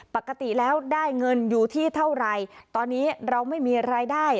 ปกติแล้วได้เงินอยู่ที่เท่าไรตอนนี้เราไม่มีรายได้